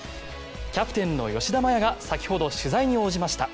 キャプテンの吉田麻也が先ほど取材に応じました。